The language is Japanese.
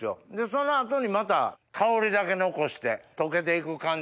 その後にまた香りだけ残して溶けていく感じ。